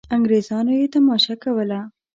انګرېزانو یې تماشه کوله.